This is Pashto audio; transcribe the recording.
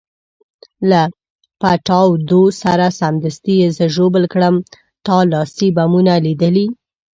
له پټاودو سره سمدستي یې زه ژوبل کړم، تا لاسي بمونه لیدلي؟